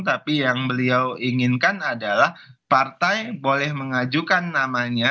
tapi yang beliau inginkan adalah partai boleh mengajukan namanya